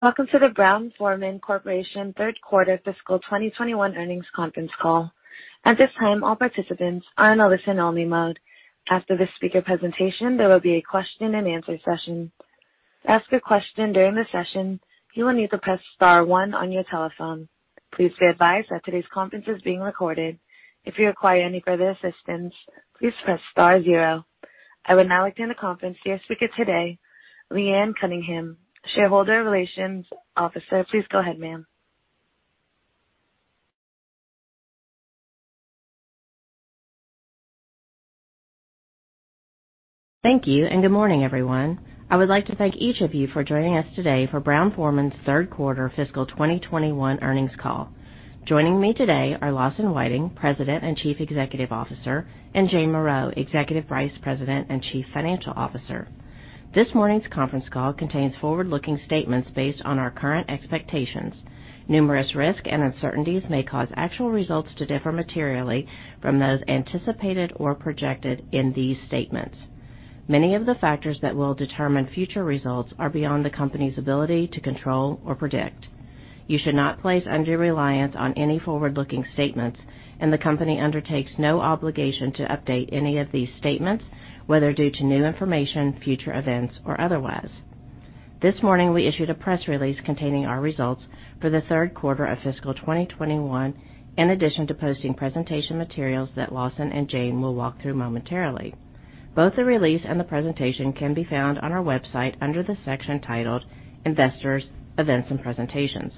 Welcome to the Brown-Forman Corporation third-quarter fiscal 2021 earnings conference call. At this time, all participants are in listen-only mode. After the speaker's presentation, there will be a question-and-answer session. To ask a question during the session, you will need to press star one on your telephone. Please be advised that today's conference is being recorded. If you require any further assistance, please press star zero. I would now like to hand the conference to your speaker today, Leanne Cunningham, Shareholder Relations Officer. Please go ahead, ma'am. Thank you, and good morning, everyone. I would like to thank each of you for joining us today for Brown-Forman's third-quarter fiscal 2021 earnings call. Joining me today are Lawson Whiting, President and Chief Executive Officer, and Jane Morreau, Executive Vice President and Chief Financial Officer. This morning's conference call contains forward-looking statements based on our current expectations. Numerous risks and uncertainties may cause actual results to differ materially from those anticipated or projected in these statements. Many of the factors that will determine future results are beyond the company's ability to control or predict. You should not place undue reliance on any forward-looking statements, and the company undertakes no obligation to update any of these statements, whether due to new information, future events, or otherwise. This morning, we issued a press release containing our results for the third quarter of fiscal 2021, in addition to posting presentation materials that Lawson and Jane will walk through momentarily. Both the release and the presentation can be found on our website under the section titled Investors Events and Presentations.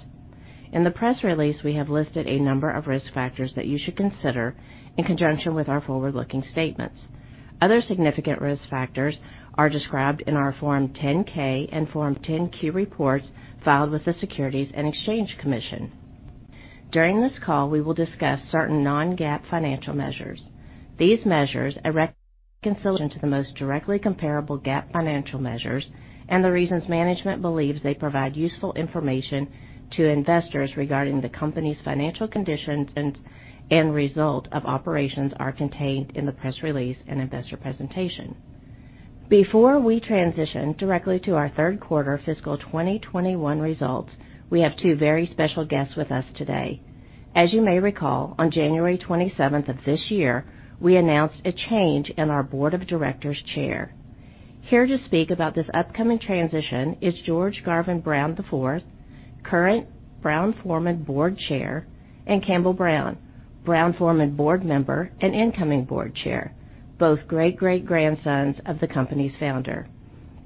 In the press release, we have listed a number of risk factors that you should consider in conjunction with our forward-looking statements. Other significant risk factors are described in our Form 10-K and Form 10-Q reports filed with the Securities and Exchange Commission. During this call, we will discuss certain non-GAAP financial measures. These measures a reconciliation to the most directly comparable GAAP financial measures, and the reasons management believes they provide useful information to investors regarding the company's financial conditions and results of operations are contained in the press release and investor presentation. Before we transition directly to our third-quarter fiscal 2021 results, we have two very special guests with us today. As you may recall, on January 27th of this year, we announced a change in our Board of Directors Chair. Here to speak about this upcoming transition is George Garvin Brown IV, current Brown-Forman Board Chair, and Campbell Brown, Brown-Forman Board Member and Incoming Board Chair, both great-great-grandsons of the company's founder.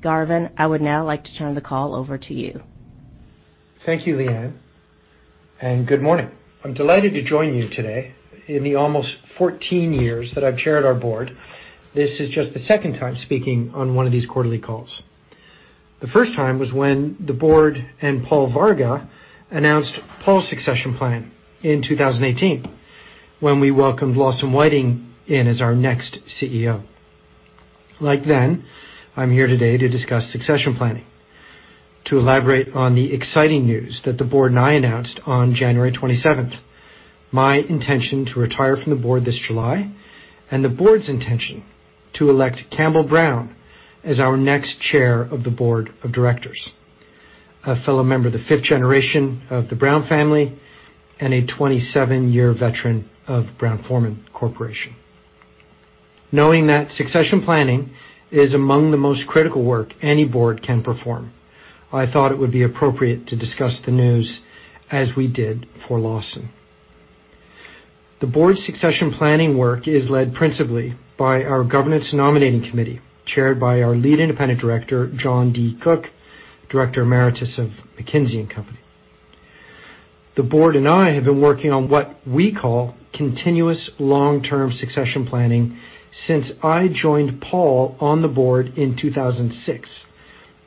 Garvin, I would now like to turn the call over to you. Thank you, Leanne, and good morning. I'm delighted to join you today. In the almost 14 years that I've chaired our board, this is just the second time speaking on one of these quarterly calls. The first time was when the board and Paul Varga announced Paul's succession plan in 2018, when we welcomed Lawson Whiting in as our next CEO. Like then, I'm here today to discuss succession planning, to elaborate on the exciting news that the board and I announced on January 27th, my intention to retire from the board this July, and the board's intention to elect Campbell Brown as our next Chair of the Board of Directors, a fellow member of the fifth generation of the Brown family, and a 27-year veteran of Brown-Forman Corporation. Knowing that succession planning is among the most critical work any board can perform, I thought it would be appropriate to discuss the news as we did for Lawson. The board succession planning work is led principally by our governance nominating committee, chaired by our Lead Independent Director, John D. Cook, Director Emeritus of McKinsey & Company. The board and I have been working on what we call continuous long-term succession planning since I joined Paul on the board in 2006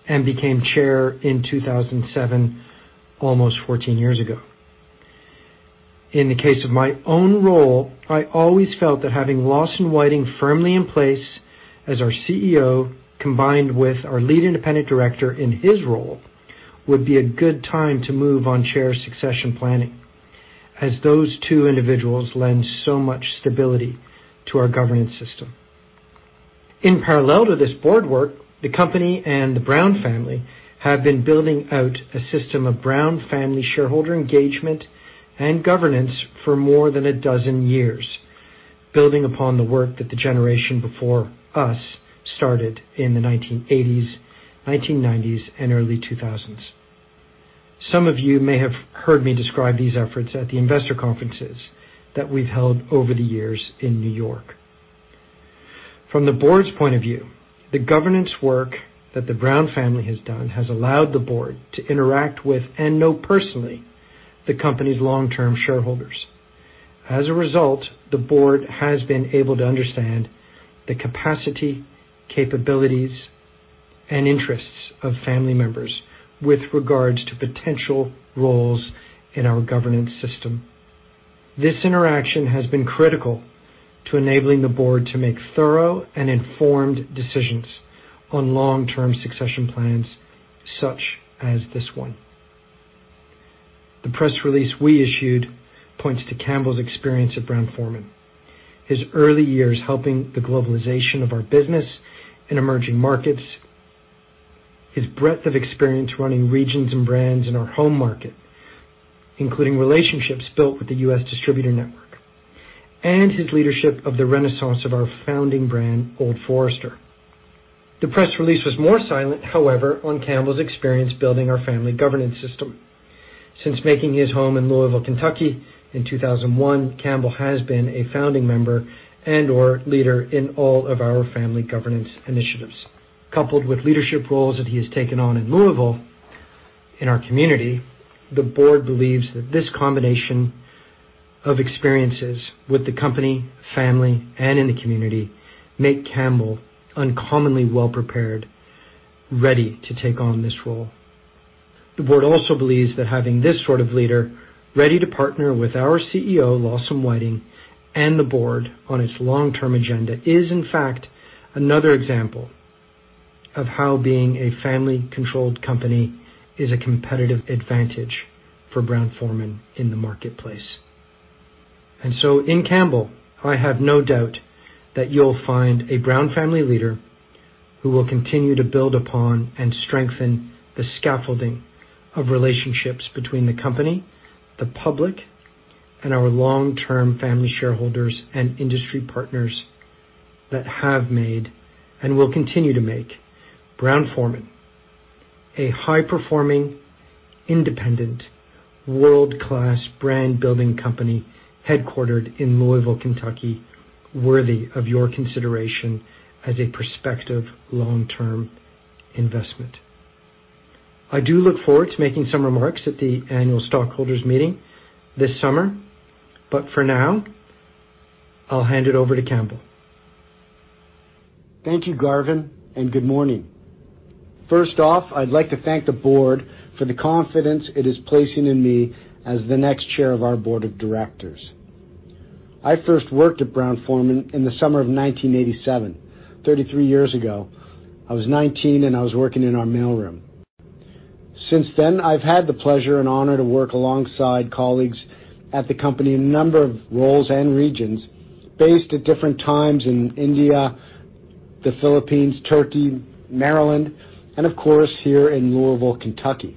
and became Chair in 2007, almost 14 years ago. In the case of my own role, I always felt that having Lawson Whiting firmly in place as our CEO, combined with our Lead Independent Director in his role, would be a good time to move on Chair succession planning, as those two individuals lend so much stability to our governance system. In parallel to this board work, the company and the Brown family have been building out a system of Brown family shareholder engagement and governance for more than a dozen years, building upon the work that the generation before us started in the 1980s, 1990s, and early 2000s. Some of you may have heard me describe these efforts at the investor conferences that we've held over the years in New York. From the board's point of view, the governance work that the Brown family has done has allowed the board to interact with and know the company's long-term shareholders personally. As a result, the board has been able to understand the capacity, capabilities, and interests of family members with regard to potential roles in our governance system. This interaction has been critical to enabling the board to make thorough and informed decisions on long-term succession plans, such as this one. The press release we issued points to Campbell's experience at Brown-Forman. His early years helping the globalization of our business in emerging markets, his breadth of experience running regions and brands in our home market, including relationships built with the U.S. distributor network, and his leadership of the renaissance of our founding brand, Old Forester. The press release was more silent, however, on Campbell's experience building our family governance system. Since making his home in Louisville, Kentucky, in 2001, Campbell has been a founding member and/or leader in all of our family governance initiatives. Coupled with leadership roles that he has taken on in Louisville, in our community, the board believes that this combination of experiences with the company, family, and in the community makes Campbell uncommonly well-prepared, ready to take on this role. The board also believes that having this sort of leader ready to partner with our CEO, Lawson Whiting, and the board on its long-term agenda is, in fact, another example of how being a family-controlled company is a competitive advantage for Brown-Forman in the marketplace. In Campbell, I have no doubt that you'll find a Brown family leader who will continue to build upon and strengthen the scaffolding of relationships between the company, the public, and our long-term family shareholders and industry partners that have made, and will continue to make, Brown-Forman a high-performing, independent, world-class brand building company headquartered in Louisville, Kentucky, worthy of your consideration as a prospective long-term investment. I do look forward to making some remarks at the annual stockholders meeting this summer, but for now, I'll hand it over to Campbell. Thank you, Garvin, and good morning. First off, I'd like to thank the board for the confidence it is placing in me as the next Chair of our Board of Directors. I first worked at Brown-Forman in the summer of 1987, 33 years ago. I was 19, and I was working in our mailroom. Since then, I've had the pleasure and honor to work alongside colleagues at the company in a number of roles and regions, based at different times in India, the Philippines, Turkey, Maryland, and, of course, here in Louisville, Kentucky.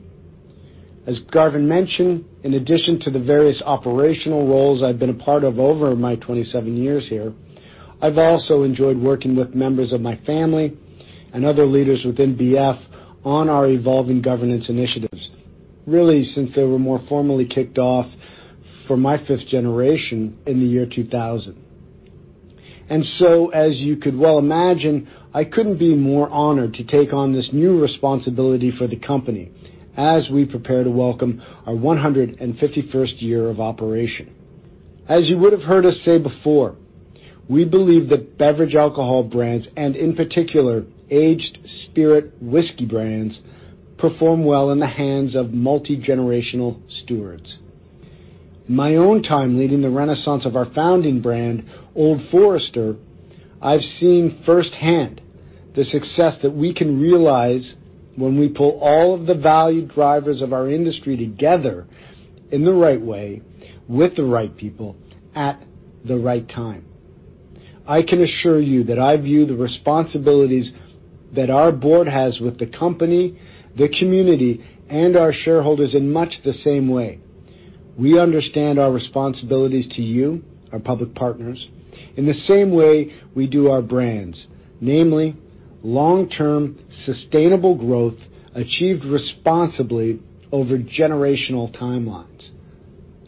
As Garvin mentioned, in addition to the various operational roles I've been a part of over my 27 years here, I've also enjoyed working with members of my family and other leaders within BF on our evolving governance initiatives, really since they were more formally kicked off for my fifth generation in the year 2000. As you could well imagine, I couldn't be more honored to take on this new responsibility for the company as we prepare to welcome our 151st year of operation. As you would have heard us say before, we believe that beverage alcohol brands, and in particular aged spirit whiskey brands, perform well in the hands of multi-generational stewards. My own time leading the renaissance of our founding brand, Old Forester, I've seen firsthand the success that we can realize when we pull all of the value drivers of our industry together in the right way, with the right people, at the right time. I can assure you that I view the responsibilities that our board has with the company, the community, and our shareholders in much the same way. We understand our responsibilities to you, our public partners, in the same way we do our brands, namely, long-term sustainable growth achieved responsibly over generational timelines.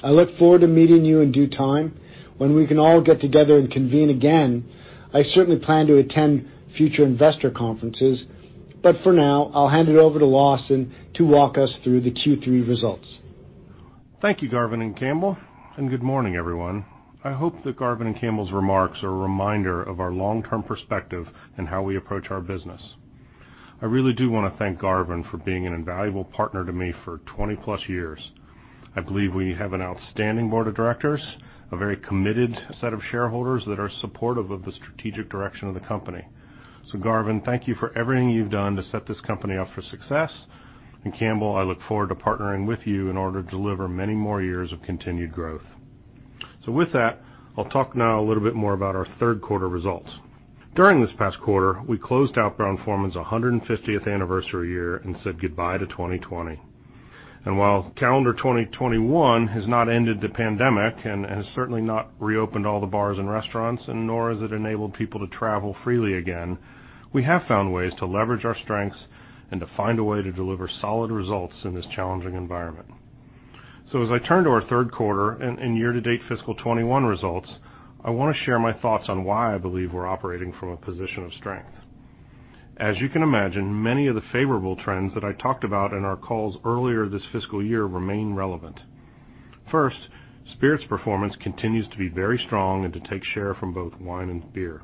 I look forward to meeting you in due time, when we can all get together and convene again. I certainly plan to attend future investor conferences, but for now, I'll hand it over to Lawson to walk us through the Q3 results. Thank you, Garvin and Campbell, and good morning, everyone. I hope that Garvin and Campbell's remarks are a reminder of our long-term perspective and how we approach our business. I really do want to thank Garvin for being an invaluable partner to me for 20+ years. I believe we have an outstanding board of directors, a very committed set of shareholders that are supportive of the strategic direction of the company. Garvin, thank you for everything you've done to set this company up for success. Campbell, I look forward to partnering with you in order to deliver many more years of continued growth. With that, I'll talk now a little bit more about our third-quarter results. During this past quarter, we closed out Brown-Forman's 150th anniversary year and said goodbye to 2020. While calendar 2021 has not ended the pandemic and has certainly not reopened all the bars and restaurants, nor has it enabled people to travel freely again, we have found ways to leverage our strengths and to find a way to deliver solid results in this challenging environment. As I turn to our third quarter and year-to-date fiscal 2021 results, I want to share my thoughts on why I believe we're operating from a position of strength. As you can imagine, many of the favorable trends that I talked about in our calls earlier this fiscal year remain relevant. First, spirits performance continues to be very strong and to take share from both wine and beer.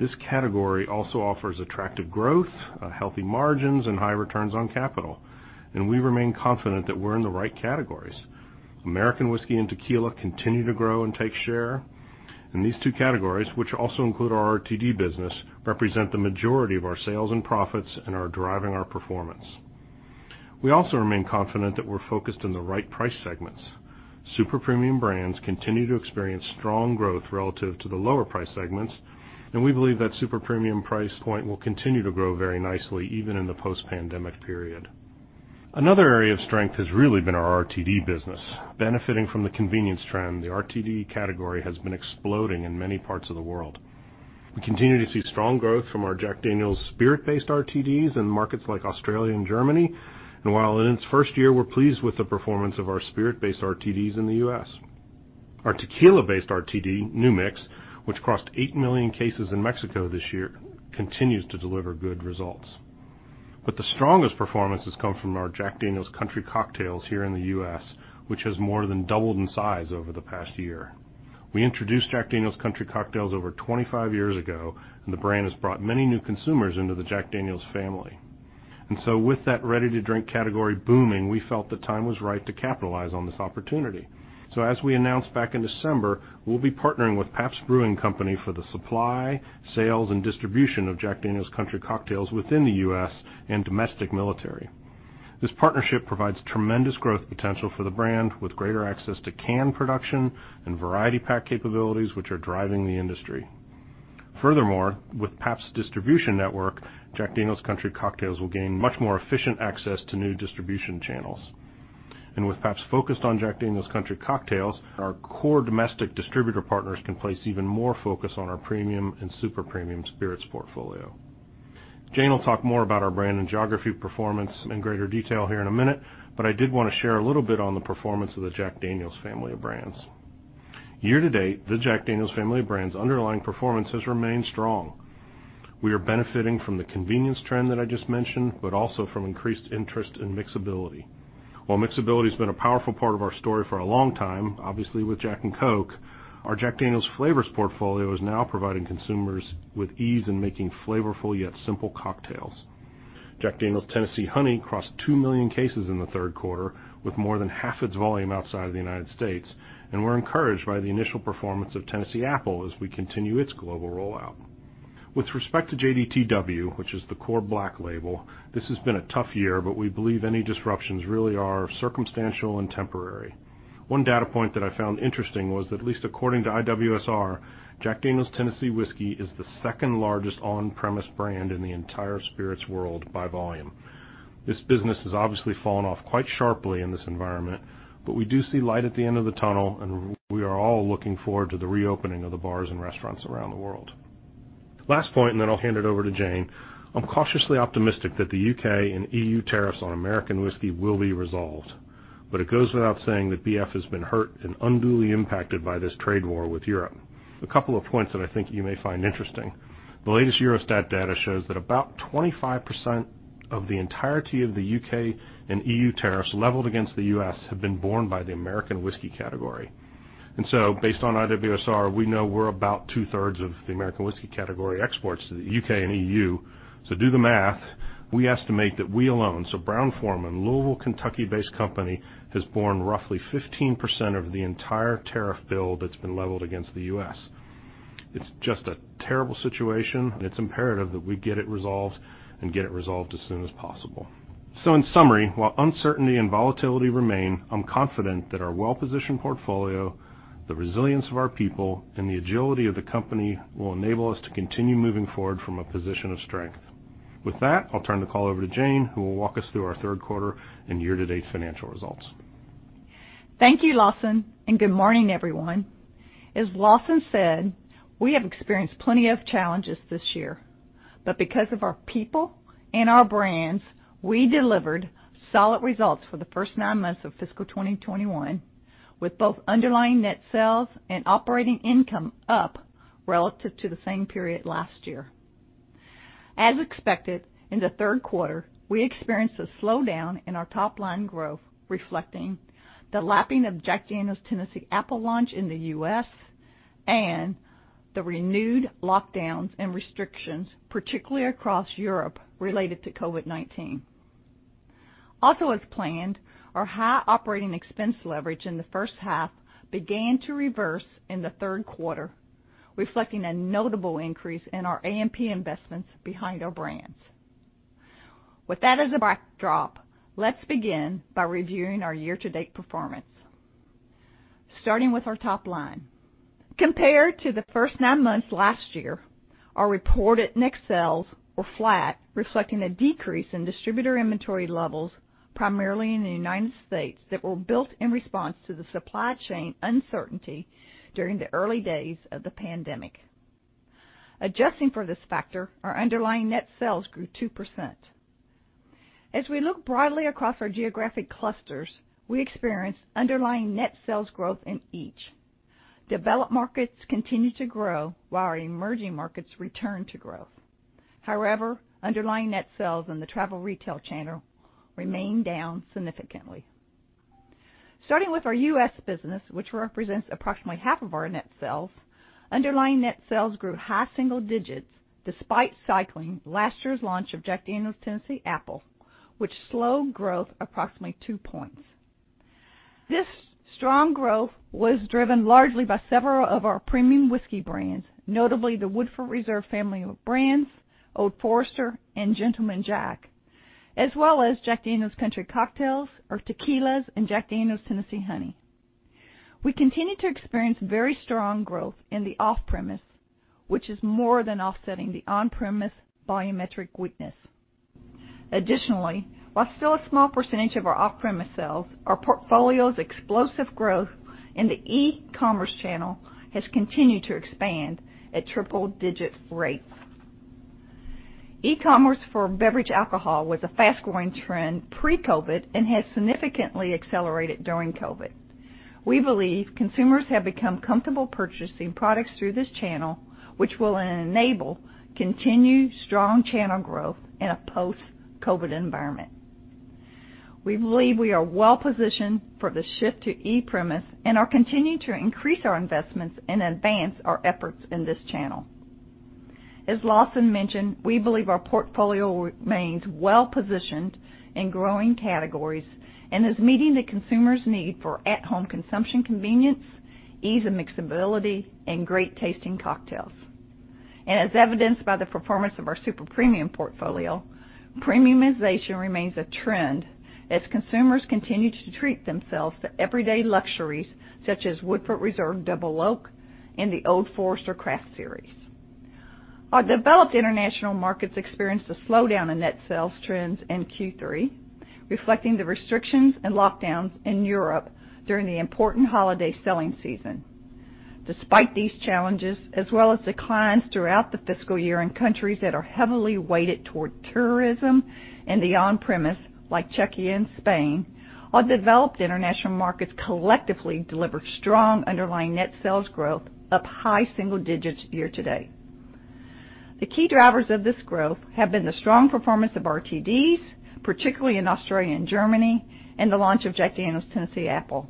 This category also offers attractive growth, healthy margins, and high returns on capital. We remain confident that we're in the right categories. American whiskey and tequila continue to grow and take share. These two categories, which also include our RTD business, represent the majority of our sales and profits and are driving our performance. We also remain confident that we're focused on the right price segments. Super premium brands continue to experience strong growth relative to the lower price segments. We believe that super premium price point will continue to grow very nicely, even in the post-pandemic period. Another area of strength has really been our RTD business. Benefiting from the convenience trend, the RTD category has been exploding in many parts of the world. We continue to see strong growth from our Jack Daniel's spirit-based RTDs in markets like Australia and Germany. While in its first year, we're pleased with the performance of our spirit-based RTDs in the U.S. Our tequila-based RTD, New Mix, which crossed 8 million cases in Mexico this year, continues to deliver good results. The strongest performance has come from our Jack Daniel's Country Cocktails here in the U.S., which has more than doubled in size over the past year. We introduced Jack Daniel's Country Cocktails over 25 years ago, and the brand has brought many new consumers into the Jack Daniel's family. With that ready-to-drink category booming, we felt the time was right to capitalize on this opportunity. As we announced back in December, we'll be partnering with Pabst Brewing Company for the supply, sales, and distribution of Jack Daniel's Country Cocktails within the U.S. and the domestic military. This partnership provides tremendous growth potential for the brand, with greater access to can production and variety pack capabilities, which are driving the industry. Furthermore, with Pabst's distribution network, Jack Daniel's Country Cocktails will gain much more efficient access to new distribution channels. With Pabst focused on Jack Daniel's Country Cocktails, our core domestic distributor partners can place even more focus on our premium and super premium spirits portfolio. Jane will talk more about our brand and geography performance in greater detail here in a minute, but I did want to share a little bit on the performance of the Jack Daniel's family of brands. Year-to-date, the Jack Daniel's family of brands' underlying performance has remained strong. We are benefiting from the convenience trend that I just mentioned, but also from increased interest in mixability. While mixability has been a powerful part of our story for a long time, obviously with Jack and Coke, our Jack Daniel's flavors portfolio is now providing consumers with ease in making flavorful yet simple cocktails. Jack Daniel's Tennessee Honey crossed 2 million cases in the third quarter, with more than half its volume outside of the U.S., and we're encouraged by the initial performance of Tennessee Apple as we continue its global rollout. With respect to JDTW, which is the core black label, this has been a tough year, but we believe any disruptions really are circumstantial and temporary. One data point that I found interesting was that, at least according to IWSR, Jack Daniel's Tennessee Whiskey is the second-largest on-premise brand in the entire spirits world by volume. This business has obviously fallen off quite sharply in this environment, but we do see light at the end of the tunnel, and we are all looking forward to the reopening of the bars and restaurants around the world. Last point, and then I'll hand it over to Jane. I'm cautiously optimistic that the U.K. and E.U. tariffs on American whiskey will be resolved, but it goes without saying that BF has been hurt and unduly impacted by this trade war with Europe. A couple of points that I think you may find interesting. The latest Eurostat data shows that about 25% of the entirety of the U.K. and E.U. tariffs leveled against the U.S. have been borne by the American whiskey category. Based on IWSR, we know we're about two-thirds of the American whiskey category exports to the U.K. and E.U. Do the math. We estimate that we alone, so Brown-Forman, Louisville, Kentucky-based company, has borne roughly 15% of the entire tariff bill that's been leveled against the U.S. It's just a terrible situation. It's imperative that we get it resolved and get it resolved as soon as possible. In summary, while uncertainty and volatility remain, I'm confident that our well-positioned portfolio, the resilience of our people, and the agility of the company will enable us to continue moving forward from a position of strength. With that, I'll turn the call over to Jane, who will walk us through our third quarter and year-to-date financial results. Thank you, Lawson, and good morning, everyone. As Lawson said, we have experienced plenty of challenges this year. Because of our people and our brands, we delivered solid results for the first nine months of fiscal 2021, with both underlying net sales and operating income up relative to the same period last year. As expected, in the third quarter, we experienced a slowdown in our top-line growth, reflecting the lapping of Jack Daniel's Tennessee Apple launch in the U.S. and the renewed lockdowns and restrictions, particularly across Europe, related to COVID-19. Also, as planned, our high operating expense leverage in the first half began to reverse in the third quarter, reflecting a notable increase in our AMP investments behind our brands. With that as a backdrop, let's begin by reviewing our year-to-date performance. Starting with our top line. Compared to the first nine months last year, our reported net sales were flat, reflecting a decrease in distributor inventory levels primarily in the United States that were built in response to the supply chain uncertainty during the early days of the pandemic. Adjusting for this factor, our underlying net sales grew 2%. As we look broadly across our geographic clusters, we experienced underlying net sales growth in each. Developed markets continued to grow while our emerging markets returned to growth. However, underlying net sales in the travel retail channel remained down significantly. Starting with our U.S. business, which represents approximately half of our net sales, underlying net sales grew in the high single digits despite cycling last year's launch of Jack Daniel's Tennessee Apple, which slowed growth approximately two points. This strong growth was driven largely by several of our premium whiskey brands, notably the Woodford Reserve family of brands, Old Forester, and Gentleman Jack, as well as Jack Daniel's Country Cocktails, our tequilas, and Jack Daniel's Tennessee Honey. We continue to experience very strong growth in the off-premise, which is more than offsetting the on-premise volumetric weakness. Additionally, while still a small percentage of our off-premise sales, our portfolio's explosive growth in the e-commerce channel has continued to expand at triple-digit rates. E-commerce for beverage alcohol was a fast-growing trend pre-COVID and has significantly accelerated during COVID. We believe consumers have become comfortable purchasing products through this channel, which will enable continued strong channel growth in a post-COVID-19 environment. We believe we are well-positioned for the shift to e-premise and are continuing to increase our investments and advance our efforts in this channel. As Lawson mentioned, we believe our portfolio remains well-positioned in growing categories and is meeting the consumer's need for at-home consumption convenience, ease of mixability, and great-tasting cocktails. As evidenced by the performance of our super premium portfolio, premiumization remains a trend as consumers continue to treat themselves to everyday luxuries such as Woodford Reserve Double Oaked and the Old Forester Craft series. Our developed international markets experienced a slowdown in net sales trends in Q3, reflecting the restrictions and lockdowns in Europe during the important holiday selling season. Despite these challenges, as well as declines throughout the fiscal year in countries that are heavily weighted toward tourism and the on-premise, like Czechia and Spain, our developed international markets collectively delivered strong underlying net sales growth up high single digits year to date. The key drivers of this growth have been the strong performance of RTDs, particularly in Australia and Germany, and the launch of Jack Daniel's Tennessee Apple.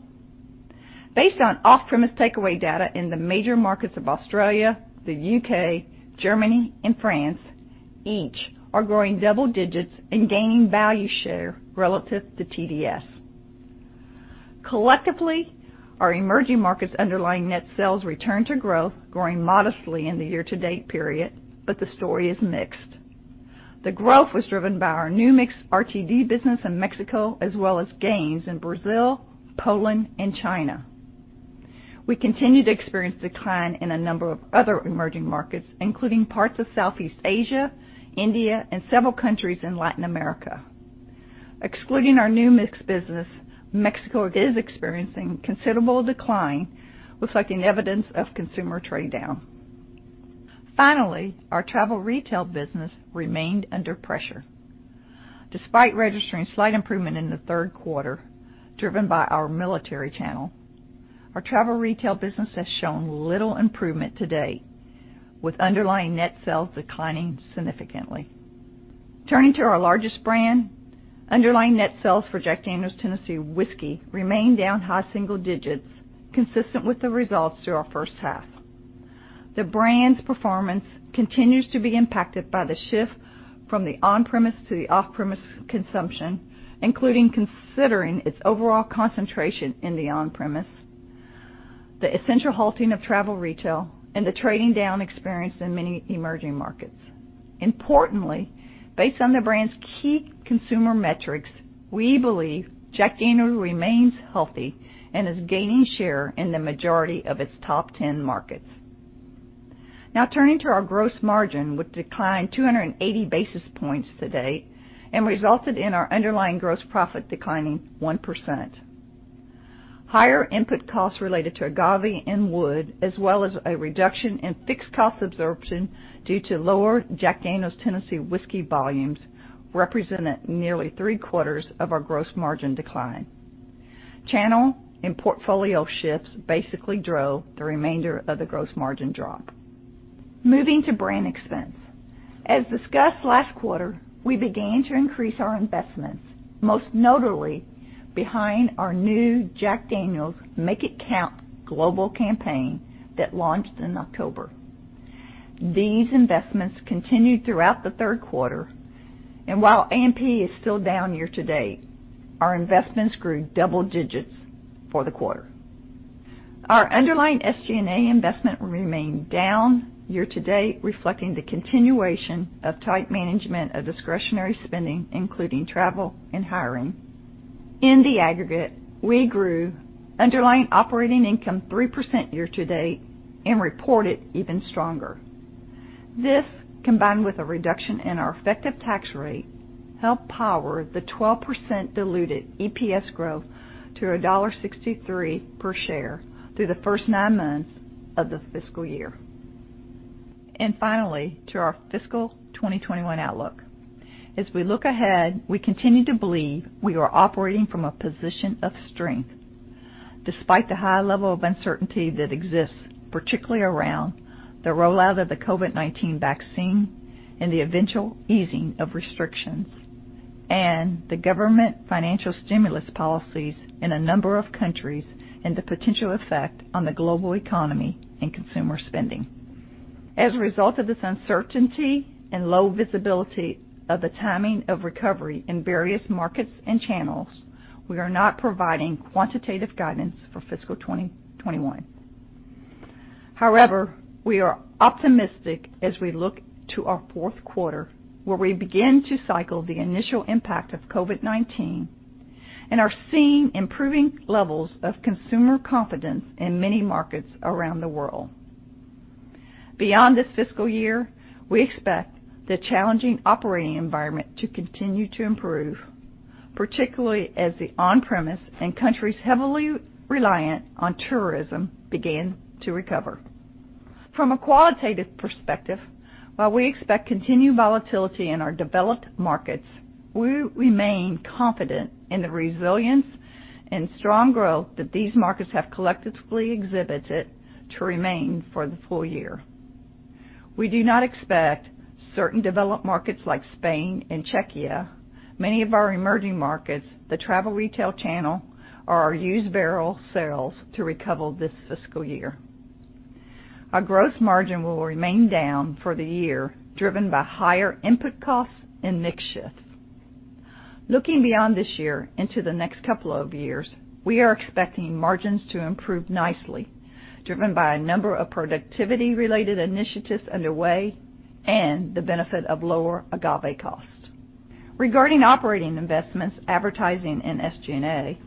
Based on off-premise takeaway data in the major markets of Australia, the U.K., Germany, and France, each are growing double digits and gaining value share relative to TDS. Collectively, our emerging markets' underlying net sales returned to growth, growing modestly in the year-to-date period. The story is mixed. The growth was driven by our New Mix RTD business in Mexico, as well as gains in Brazil, Poland, and China. We continue to experience a decline in a number of other emerging markets, including parts of Southeast Asia, India, and several countries in Latin America. Excluding our New Mix business, Mexico is experiencing a considerable decline, reflecting evidence of consumer trading down. Our travel retail business remained under pressure. Despite registering a slight improvement in the third quarter, driven by our military channel, our travel retail business has shown little improvement to date, with underlying net sales declining significantly. Turning to our largest brand, underlying net sales for Jack Daniel's Tennessee Whiskey remain down high single digits, consistent with the results through our first half. The brand's performance continues to be impacted by the shift from the on-premise to the off-premise consumption, including considering its overall concentration in the on-premise, the essential halting of travel retail, and the trading down experienced in many emerging markets. Importantly, based on the brand's key consumer metrics, we believe Jack Daniel's remains healthy and is gaining share in the majority of its top 10 markets. Turning to our gross margin, which declined 280 basis points to date, and resulted in our underlying gross profit declining 1%. Higher input costs related to agave and wood, as well as a reduction in fixed cost absorption due to lower Jack Daniel's Tennessee Whiskey volumes, represented nearly three-quarters of our gross margin decline. Channel and portfolio shifts basically drove the remainder of the gross margin drop. Moving to brand expense. As discussed last quarter, we began to increase our investments, most notably behind our new Jack Daniel's Make It Count global campaign that launched in October. These investments continued throughout the third quarter, while AMP is still down year-to-date, our investments grew double digits for the quarter. Our underlying SG&A investment remained down year to date, reflecting the continuation of tight management of discretionary spending, including travel and hiring. In the aggregate, we grew underlying operating income 3% year-to-date and reported even stronger. This, combined with a reduction in our effective tax rate, helped power the 12% diluted EPS growth to $1.63 per share through the first nine months of the fiscal year. Finally, to our fiscal 2021 outlook. As we look ahead, we continue to believe we are operating from a position of strength, despite the high level of uncertainty that exists, particularly around the rollout of the COVID-19 vaccine and the eventual easing of restrictions, and the government financial stimulus policies in a number of countries, and the potential effect on the global economy and consumer spending. As a result of this uncertainty and low visibility of the timing of recovery in various markets and channels, we are not providing quantitative guidance for fiscal 2021. However, we are optimistic as we look to our fourth quarter, where we begin to cycle the initial impact of COVID-19 and are seeing improving levels of consumer confidence in many markets around the world. Beyond this fiscal year, we expect the challenging operating environment to continue to improve, particularly as the on-premise and countries heavily reliant on tourism begin to recover. From a qualitative perspective, while we expect continued volatility in our developed markets, we remain confident in the resilience and strong growth that these markets have collectively exhibited to remain for the full year. We do not expect certain developed markets like Spain and Czechia, many of our emerging markets, the travel retail channel, or our used barrel sales to recover this fiscal year. Our gross margin will remain down for the year, driven by higher input costs and mix shifts. Looking beyond this year into the next couple of years, we are expecting margins to improve nicely, driven by a number of productivity-related initiatives underway and the benefit of lower agave cost. Regarding operating investments, advertising, and SG&A,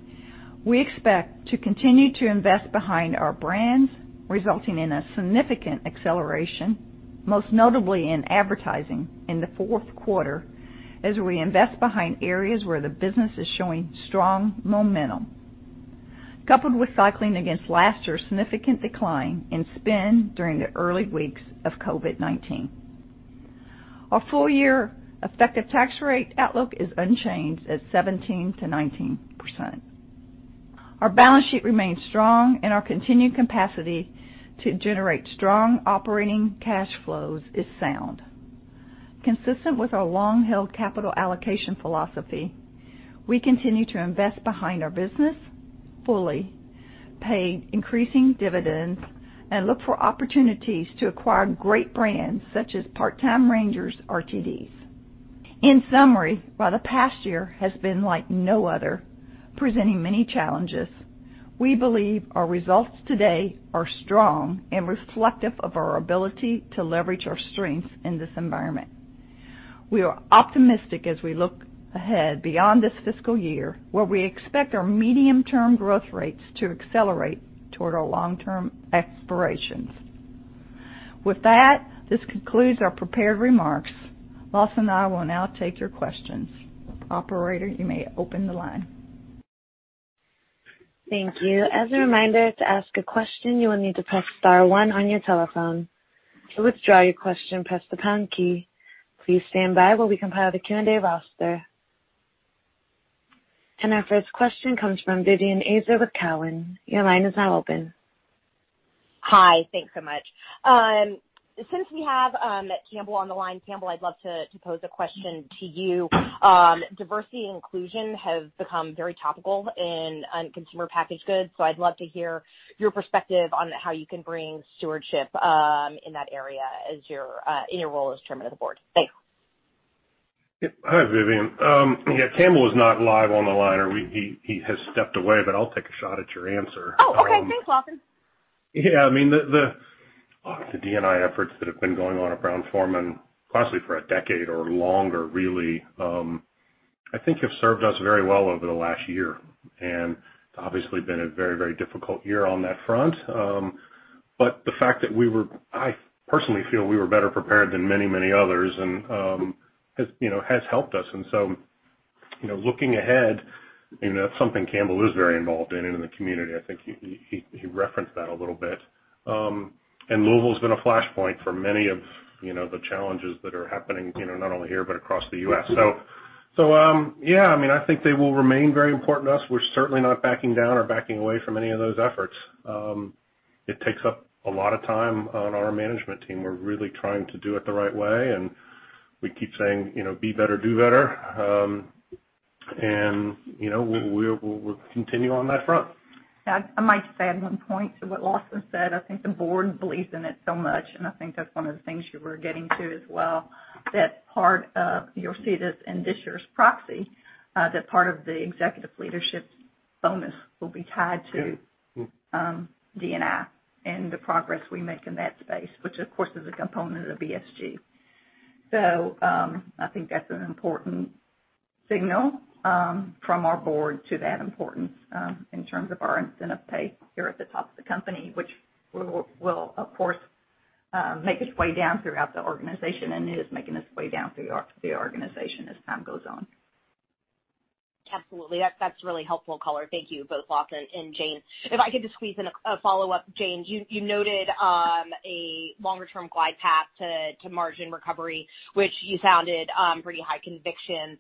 we expect to continue to invest behind our brands, resulting in a significant acceleration, most notably in advertising in the fourth quarter, as we invest behind areas where the business is showing strong momentum, coupled with cycling against last year's significant decline in spend during the early weeks of COVID-19. Our full-year effective tax rate outlook is unchanged at 17%-19%. Our balance sheet remains strong, and our continued capacity to generate strong operating cash flows is sound. Consistent with our long-held capital allocation philosophy, we continue to invest behind our business, fully pay increasing dividends, and look for opportunities to acquire great brands, such as Part Time Rangers RTDs. In summary, while the past year has been like no other, presenting many challenges, we believe our results today are strong and reflective of our ability to leverage our strengths in this environment. We are optimistic as we look ahead beyond this fiscal year, where we expect our medium-term growth rates to accelerate toward our long-term aspirations. With that, this concludes our prepared remarks. Lawson and I will now take your questions. Operator, you may open the line. Thank you. As a reminder, to ask a question, you will need to press star one on your telephone. To withdraw your question, press the pound key. Please stand by while we compile the Q&A roster. Our first question comes from Vivien Azer with Cowen. Your line is now open. Hi. Thanks so much. Since we have Campbell on the line, Campbell, I'd love to pose a question to you. Diversity and inclusion have become very topical in consumer packaged goods, so I'd love to hear your perspective on how you can bring stewardship in that area in your role as Chairman of the Board. Thanks. Yep. Hi, Vivien. Yeah, Campbell is not live on the line, or he has stepped away, but I'll take a shot at your answer. Oh, okay. Thanks, Lawson. The D&I efforts that have been going on at Brown-Forman, possibly for a decade or longer, really, I think, have served us very well over the last year. It's obviously been a very difficult year on that front. The fact that I personally feel we were better prepared than many others has helped us. Looking ahead, that's something Campbell is very involved in the community. I think he referenced that a little bit. Louisville's been a flashpoint for many of the challenges that are happening, not only here, but across the U.S. Yeah. I think they will remain very important to us. We're certainly not backing down or backing away from any of those efforts. It takes up a lot of time on our management team. We're really trying to do it the right way, and we keep saying, "Be better, do better." We'll continue on that front. Yeah. I might just add one point to what Lawson said. I think that's one of the things you were getting to as well, you'll see this in this year's proxy, that part of the executive leadership bonus will be tied to. Yeah. Mm-hmm. D&I and the progress we make in that space, which, of course, is a component of ESG. I think that's an important signal from our board to that importance in terms of our incentive pay here at the top of the company, which will, of course, make its way down throughout the organization, and it is making its way down through the organization as time goes on. Absolutely. That's really helpful, color. Thank you, both Lawson and Jane. If I could just squeeze in a follow-up. Jane, you noted a longer-term glide path to margin recovery, which you sounded pretty high conviction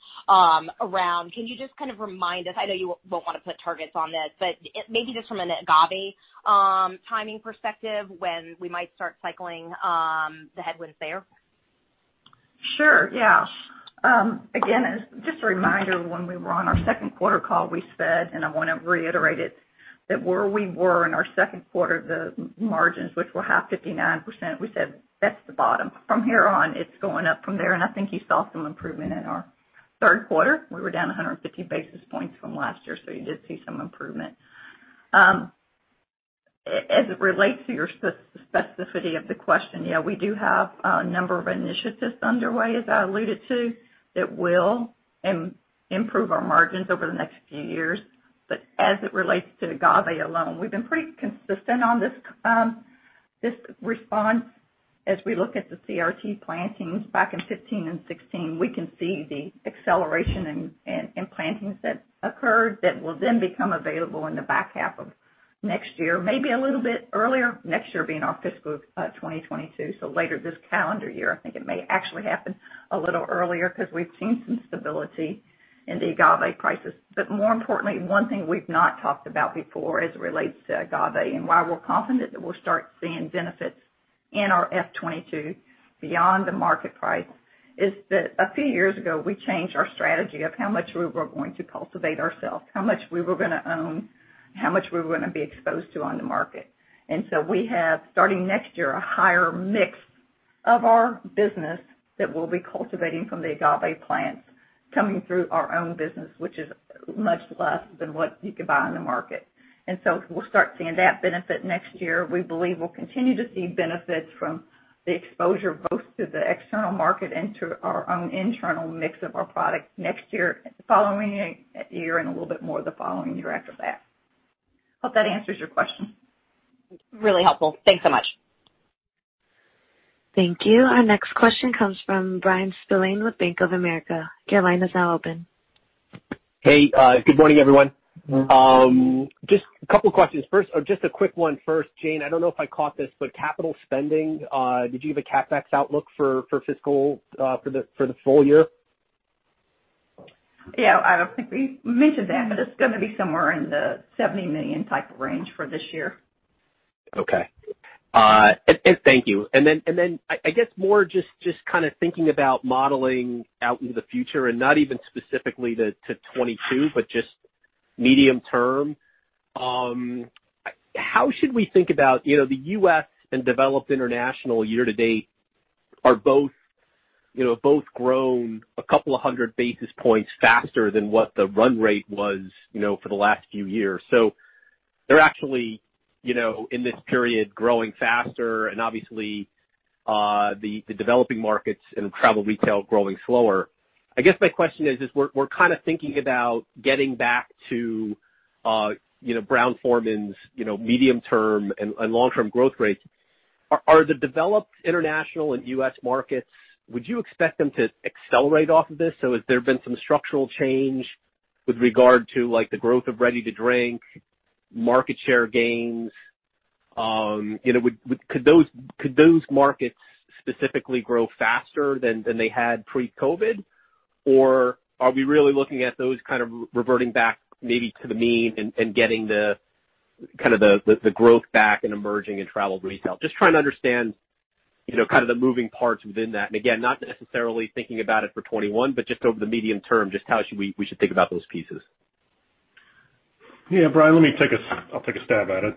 around. Can you just kind of remind us, I know you won't want to put targets on this, but maybe just from an agave timing perspective, when we might start cycling the headwinds there? Sure. Yeah. Again, just a reminder, when we were on our second quarter call, we said, and I want to reiterate it, that where we were in our second quarter, the margins, which were half 59%, we said, "That's the bottom. From here on, it's going up from there." I think you saw some improvement in our third quarter. We were down 150 basis points from last year, you did see some improvement. As it relates to your specificity of the question, yeah, we do have a number of initiatives underway, as I alluded to, that will improve our margins over the next few years. As it relates to agave alone, we've been pretty consistent on this response. As we look at the CRT plantings back in 2015 and 2016, we can see the acceleration in plantings that occurred that will then become available in the back half of next year, maybe a little bit earlier. Next year, being our fiscal 2022, so later this calendar year. I think it may actually happen a little earlier because we've seen some stability in the agave prices. More importantly, one thing we've not talked about before as it relates to agave and why we're confident that we'll start seeing benefits in our FY 2022 beyond the market price is that a few years ago, we changed our strategy of how much we were going to cultivate ourselves, how much we were going to own, how much we were going to be exposed to on the market. We have, starting next year, a higher mix of our business that we'll be cultivating from the agave plants coming through our own business, which is much less than what you could buy on the market. We'll start seeing that benefit next year. We believe we'll continue to see benefits from the exposure, both to the external market and to our own internal mix of our products, next year, the following year, and a little bit more the following year after that. Hope that answers your question. Really helpful. Thanks so much. Thank you. Our next question comes from Bryan Spillane with Bank of America. Your line is now open. Hey, good morning, everyone. Just a couple of questions. First, or just a quick one first. Jane, I don't know if I caught this, but capital spending, did you have a CapEx outlook for fiscal, for the full year? Yeah. I don't think we mentioned that, but it's gonna be somewhere in the $70 million type of range for this year. Okay. Thank you. Then I guess more just kind of thinking about modeling out into the future and not even specifically to 2022, but just medium term. How should we think about the U.S. and developed international year to date are both grown a couple of hundred basis points faster than what the run rate was for the last few years. They're actually, in this period, growing faster, are and obviously, the developing markets and travel retail growing slower. I guess my question is, we're kind of thinking about getting back to Brown-Forman's medium-term and long-term growth rates. Are the developed international and U.S. markets, would you expect them to accelerate off of this? Has there been some structural change with regard to the growth of ready-to-drink, market share gains? Could those markets specifically grow faster than they had pre-COVID? Are we really looking at those kinds of reverting back maybe to the mean and getting the growth back in emerging and travel retail? Just trying to understand the moving parts within that. Again, not necessarily thinking about it for 2021, but just over the medium term, just how we should think about those pieces. Yeah, Bryan, I'll take a stab at it.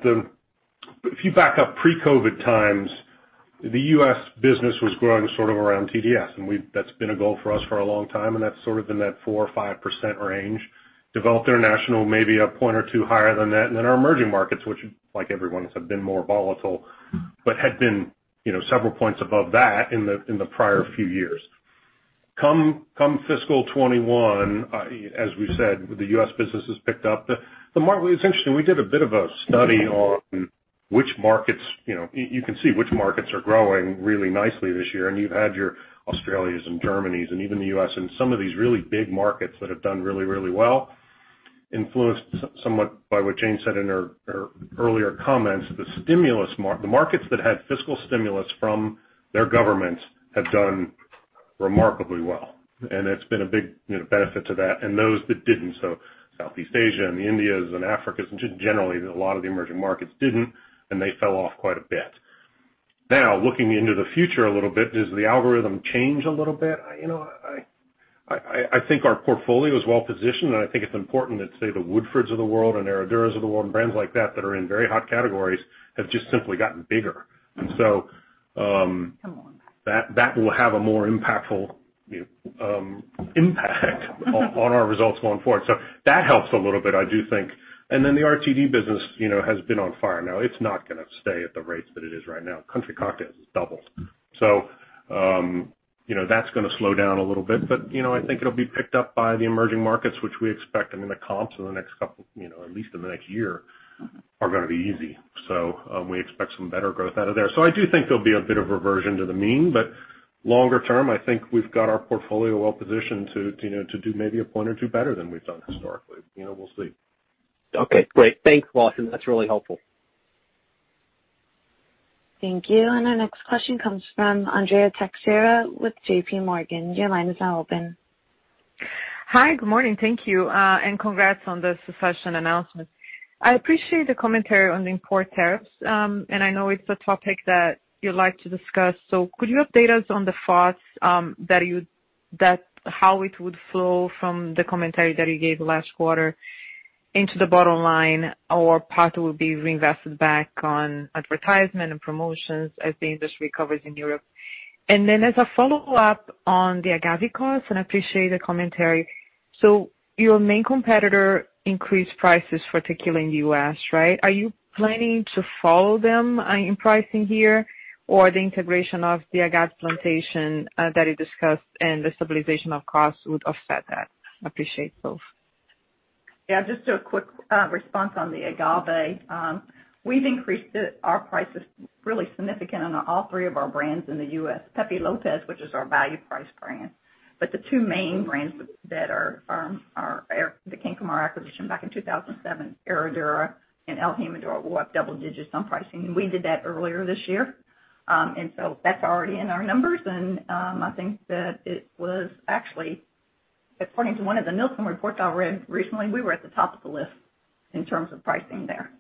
If you go back up pre-COVID times, the U.S. business was growing sort of around TDS, and that's been a goal for us for a long time, and that's sort of in that 4% or 5% range. Developed international may be a point or two higher than that. Our emerging markets, which like everyone else, have been more volatile, but had been several points above that in the prior few years. Come fiscal 2021, as we said, the U.S. business has picked up. It's interesting, we did a bit of a study on which markets. You can see which markets are growing really nicely this year. You've had your Australias and Germanys and even the U.S., and some of these really big markets that have done really well, influenced somewhat by what Jane said in her earlier comments. The markets that had fiscal stimulus from their governments have done remarkably well, and it's been a big benefit to that and those that didn't. Southeast Asia and the Indias and Africas, and just generally, a lot of the emerging markets didn't, and they fell off quite a bit. Looking into the future a little bit, does the algorithm change a little bit? I think our portfolio is well-positioned, and I think it's important that, say, the Woodfords of the world and Herraduras of the world and brands like that that are in very hot categories have just simply gotten bigger. Come on. That will have a more impactful impact on our results going forward. That helps a little bit, I do think. The RTD business has been on fire. Now, it's not going to stay at the rates that it is right now. Country Cocktails has doubled. That's going to slow down a little bit. I think it'll be picked up by the emerging markets, which we expect, I mean, the comps at least in the next year, are going to be easy. We expect some better growth out of there. I do think there'll be a bit of reversion to the mean. Longer term, I think we've got our portfolio well-positioned to do maybe a point or two better than we've done historically. We'll see. Okay, great. Thanks, Lawson. That's really helpful. Thank you. Our next question comes from Andrea Teixeira with JPMorgan. Hi. Good morning. Thank you, and congrats on the succession announcement. I appreciate the commentary on the import tariffs, and I know it's a topic that you like to discuss. Could you update us on the thoughts, how it would flow from the commentary that you gave last quarter into the bottom line? Or part will be reinvested back on advertisement and promotions as the industry recovers in Europe. As a follow-up on the agave costs, and I appreciate the commentary. Your main competitor increased prices for tequila in the U.S., right? Are you planning to follow them in pricing here, or the integration of the agave plantation that you discussed and the stabilization of costs would offset that? Appreciate both. Yeah. Just a quick response on the agave. We've increased our prices really significant on all three of our brands in the U.S., Pepe Lopez, which is our value price brand. But the two main brands that came from our acquisition back in 2007, Herradura and el Jimador, were up double digits on pricing, and we did that earlier this year. That's already in our numbers, and I think that it was actually, according to one of the Nielsen reports I read recently, we were at the top of the list in terms of pricing there.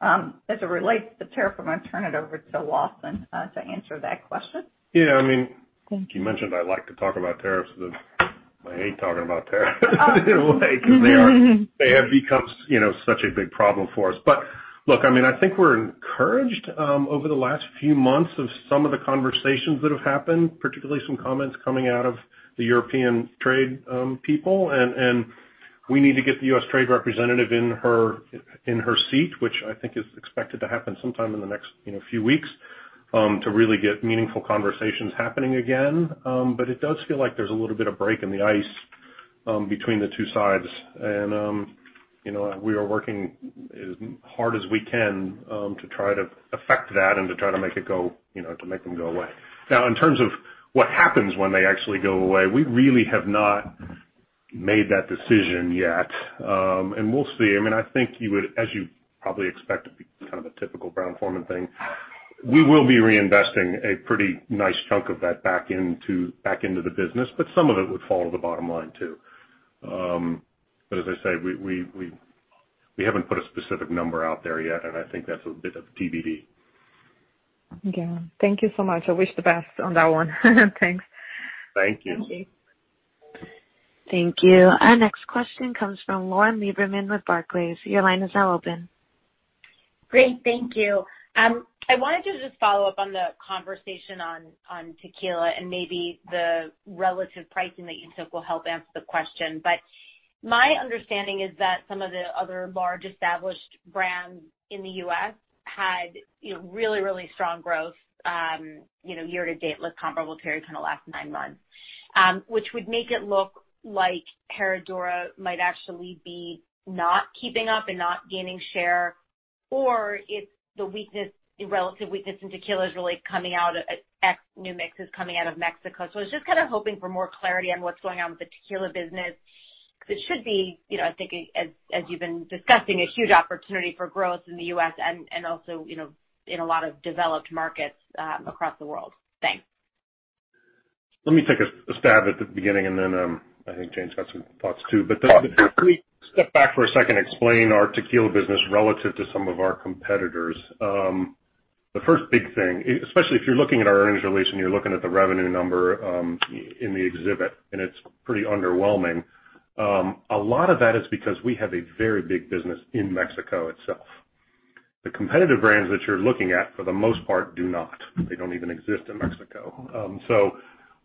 As it relates to tariff, I'm going to turn it over to Lawson to answer that question. Yeah, you mentioned I like to talk about tariffs. I hate talking about tariffs in a way because they have become such a big problem for us. Look, I think we're encouraged over the last few months of some of the conversations that have happened, particularly some comments coming out of the European trade people. We need to get the U.S. trade representative in her seat, which I think is expected to happen sometime in the next few weeks, to really get meaningful conversations happening again. It does feel like there's a little bit of a break in the ice between the two sides. We are working as hard as we can to try to affect that and to try to make them go away. Now, in terms of what happens when they actually go away, we really have not made that decision yet. We'll see. I think, as you probably expect, kind of a typical Brown-Forman thing; we will be reinvesting a pretty nice chunk of that back into the business, but some of it would fall to the bottom line, too. As I say, we haven't put a specific number out there yet, and I think that's a bit of TBD. Okay. Thank you so much. I wish the best on that one. Thanks. Thank you. Thank you. Thank you. Our next question comes from Lauren Lieberman with Barclays. Your line is now open. Great. Thank you. I wanted to just follow up on the conversation on tequila, and maybe the relative pricing that you took will help answer the question. My understanding is that some of the other large established brands in the U.S. had really strong growth year-to-date, with comparable period kind of the last nine months. Which would make it look like Herradura might actually not be keeping up and not gaining share. If the relative weakness in tequila is really coming out, ex New Mix is coming out of Mexico. I was just kind of hoping for more clarity on what's going on with the tequila business. It should be, I think, as you've been discussing, a huge opportunity for growth in the U.S. and also in a lot of developed markets across the world. Thanks. Let me take a stab at the beginning, and then I think Jane's got some thoughts, too. Let me step back for a second and explain our tequila business relative to some of our competitors. The first big thing, especially if you're looking at our earnings release and you're looking at the revenue number in the exhibit, and it's pretty underwhelming. A lot of that is because we have a very big business in Mexico itself. The competitive brands that you're looking at, for the most part, do not. They don't even exist in Mexico.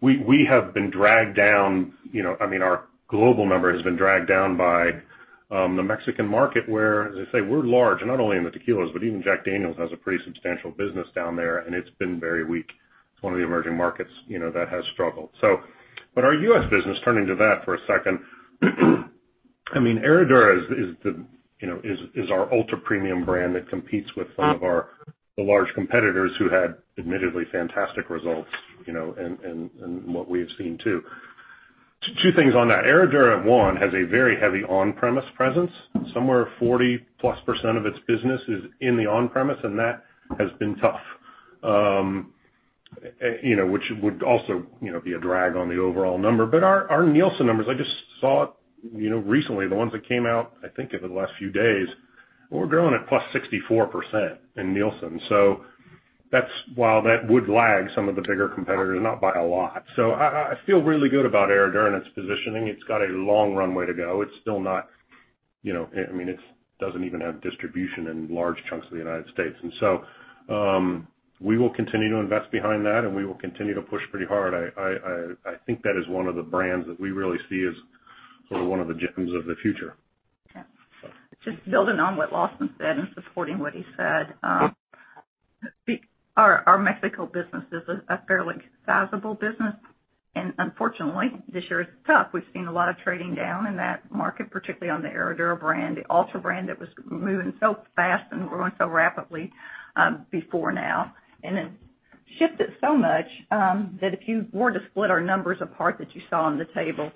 We have been dragged down. Our global number has been dragged down by the Mexican market, where, as I say, we're large, not only in the tequilas, but even Jack Daniel's has a pretty substantial business down there, and it's been very weak. It's one of the emerging markets that has struggled. Our U.S. business, turning to that for a second, Herradura is our ultra-premium brand that competes with some of the large competitors who had admittedly fantastic results, and what we have seen, too. Two things on that. Herradura, one, has a very heavy on-premise presence. Somewhere 40+% of its business is in the on-premise, and that has been tough, which would also be a drag on the overall number. Our Nielsen numbers, I just saw it recently, the ones that came out, I think, in the last few days, we're growing at +64% in Nielsen. While that would lag some of the bigger competitors, not by a lot. I feel really good about Herradura and its positioning. It's got a long runway to go. It doesn't even have distribution in large chunks of the U.S. We will continue to invest behind that, and we will continue to push pretty hard. I think that is one of the brands that we really see as sort of one of the gems of the future. Just building on what Lawson said and supporting what he said. Our Mexico business is a fairly sizable business. Unfortunately, this year is tough. We've seen a lot of trading down in that market, particularly on the Herradura brand, the Ultra brand that was moving so fast and growing so rapidly, before now. It shifted so much that if you were to split our numbers apart that you saw on the table,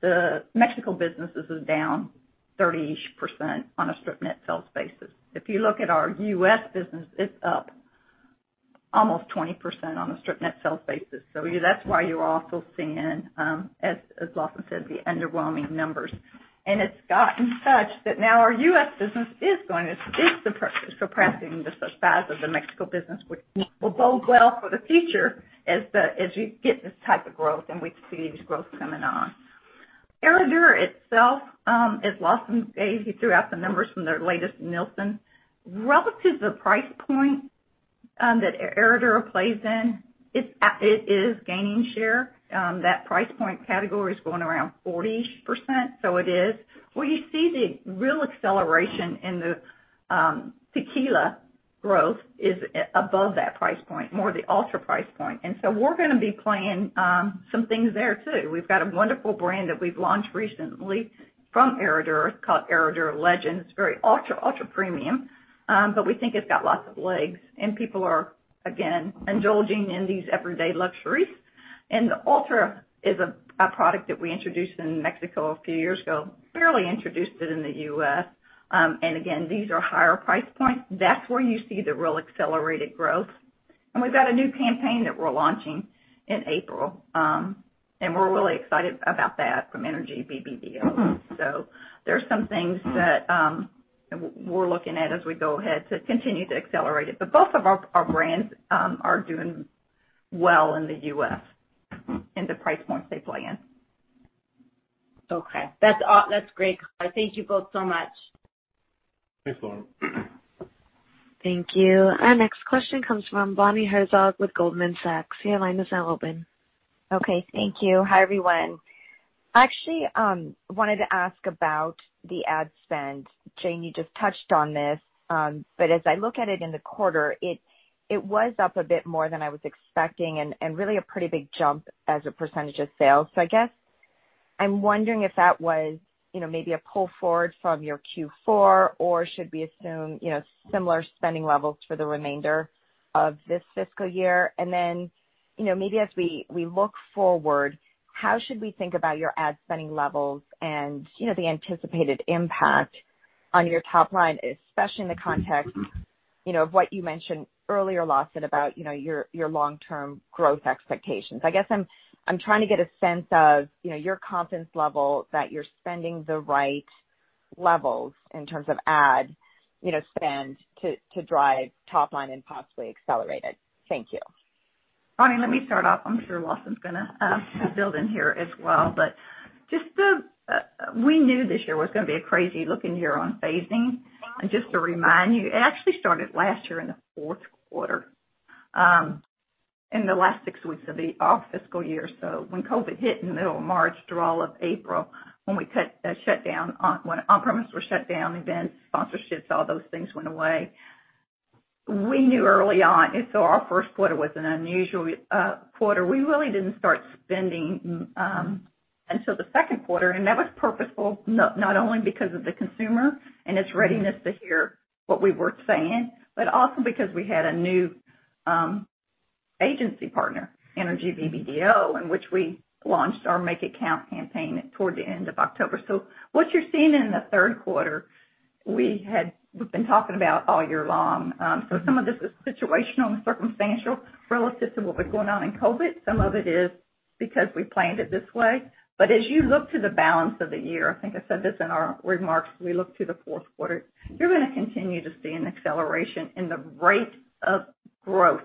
the Mexico business is down 30-ish% on a strip net sales basis. If you look at our U.S. business, it's up almost 20% on a stripped net sales basis. That's why you're also seeing, as Lawson said, the underwhelming numbers. It's gotten such that now our U.S. business is suppressing the size of the Mexico business, which will bode well for the future as you get this type of growth, and we see this growth coming on. Herradura itself, as Lawson gave you throughout the numbers from their latest Nielsen, relative to the price point that Herradura plays in, it is gaining share. That price point category is growing around 40-ish%, so it is. Where you see the real acceleration in the tequila growth is above that price point, more the ultra price point. We're gonna be playing some things there, too. We've got a wonderful brand that we've launched recently from Herradura. It's called Herradura Legend. It's very ultra premium. We think it's got lots of legs, and people are, again, indulging in these everyday luxuries. The Ultra is a product that we introduced in Mexico a few years ago, barely introduced it in the U.S. Again, these are higher price points. That's where you see the real accelerated growth. We've got a new campaign that we're launching in April, and we're really excited about that from Energy BBDO. There's some things that we're looking at as we go ahead to continue to accelerate it. Both of our brands are doing well in the U.S. in the price points they play in. Okay. That's great. Thank you both so much. Thanks, Lauren. Thank you. Our next question comes from Bonnie Herzog with Goldman Sachs. Your line is now open. Okay. Thank you. Hi, everyone. Wanted to ask about the ad spend. Jane, you just touched on this. As I look at it in the quarter, it was up a bit more than I was expecting, and really a pretty big jump as a percentage of sales. I guess I'm wondering if that was maybe a pull forward from your Q4, or should we assume similar spending levels for the remainder of this fiscal year? Maybe as we look forward, how should we think about your ad spending levels and the anticipated impact on your top line, especially in the context of what you mentioned earlier, Lawson, about your long-term growth expectations? I guess I'm trying to get a sense of your confidence level that you're spending the right levels in terms of ad spend to drive top line and possibly accelerate it. Thank you. Bonnie, let me start off. I'm sure Lawson's gonna build in here as well. We knew this year was gonna be a crazy looking year on phasing. Just to remind you, it actually started last year in the fourth quarter, in the last six weeks of the fiscal year. When COVID-19 hit in the middle of March through all of April, when on-premises were shut down, events, sponsorships, all those things went away. We knew early on, our first quarter was an unusual quarter. We really didn't start spending until the second quarter, and that was purposeful, not only because of the consumer and its readiness to hear what we were saying, but also because we had a new agency partner, Energy BBDO, in which we launched our Make It Count campaign toward the end of October. What you're seeing in the third quarter, we've been talking about all year long. Some of this is situational and circumstantial relative to what was going on in COVID. Some of it is because we planned it this way. As you look to the balance of the year, I think I said this in our remarks, we look to the fourth quarter, you're gonna continue to see an acceleration in the rate of growth.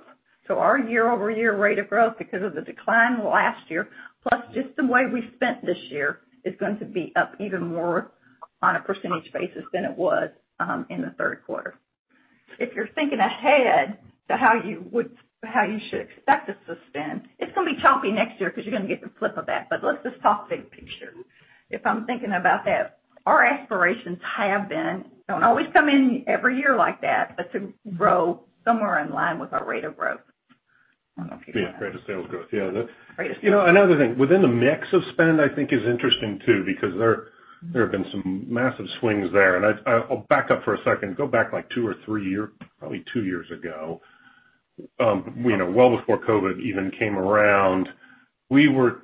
Our year-over-year rate of growth, because of the decline last year, plus just the way we spent this year, is going to be up even more on a percentage basis than it was in the third quarter. If you're thinking ahead to how you should expect us to spend, it's gonna be choppy next year because you're gonna get the flip of that. Let's just talk big picture. If I'm thinking about that, our aspirations have been, don't always come in every year like that, but to grow somewhere in line with our rate of growth. I don't know if you want to. Yeah, rate of sales growth. Yeah. Rate of sales. Another thing, within the mix of spend, I think is interesting, too, because there have been some massive swings there. I'll back up for a second. Go back like two or three years, probably two years ago, well before COVID even came around, we were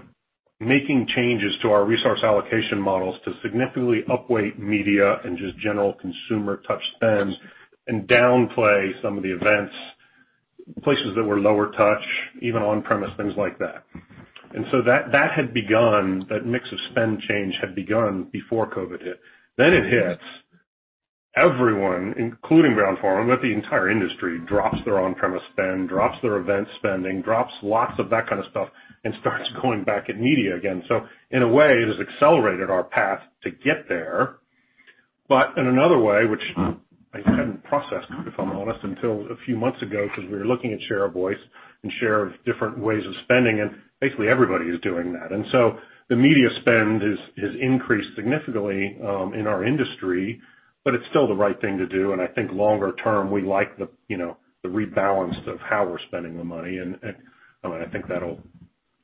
making changes to our resource allocation models to significantly up-weight media and just general consumer touch spends and downplay some of the events, places that were lower touch, even on-premise, things like that. That had begun, that mix of spend change had begun before COVID hit. It hits. Everyone, including Brown-Forman, but the entire industry, drops their on-premise spend, drops their event spending, drops lots of that kind of stuff, and starts going back at media again. In a way, it has accelerated our path to get there. In another way, which I hadn't processed, if I'm honest, until a few months ago, because we were looking at share of voice and share of different ways of spending, and basically everybody is doing that. The media spend has increased significantly in our industry, but it's still the right thing to do. I think longer term, we like the rebalance of how we're spending the money, and I think that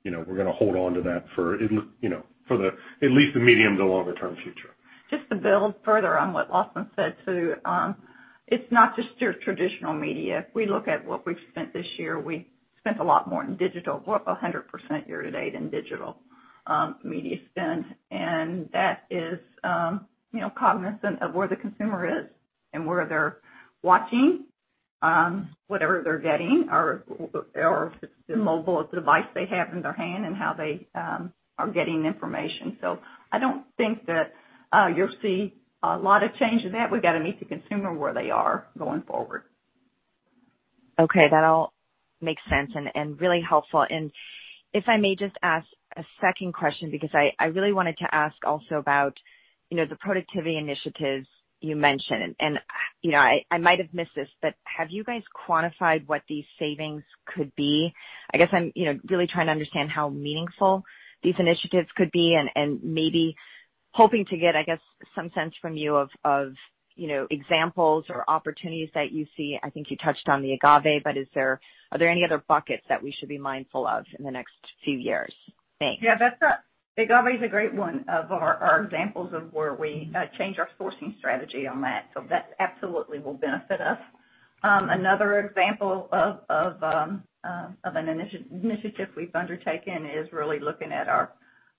we're gonna hold on to that for at least the medium to longer term future. Just to build further on what Lawson said, too. It's not just your traditional media. If we look at what we've spent this year, we spent a lot more in digital, we're up 100% year-to-date in digital media spend. That is cognizant of where the consumer is and where they're watching, whatever they're getting, or if it's the mobile device they have in their hand, and how they are getting information. I don't think that you'll see a lot of change in that. We've got to meet the consumer where they are going forward. Okay. That all makes sense and is really helpful. If I may just ask a second question, because I really wanted to ask also about the productivity initiatives you mentioned. I might have missed this, but have you guys quantified what these savings could be? I guess I'm really trying to understand how meaningful these initiatives could be, and maybe hoping to get, I guess, some sense from you of examples or opportunities that you see. I think you touched on the agave, but are there any other buckets that we should be mindful of in the next few years? Thanks. Yeah. Agave's a great one of our examples of where we change our sourcing strategy on that. That absolutely will benefit us. Another example of an initiative we've undertaken is really looking at